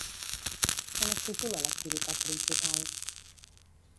Com es titula l'activitat principal?